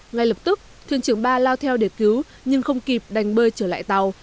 ngay lập tức thuyền trưởng ba lao theo để cứu nhưng không kịp đành bơi trở lại tàu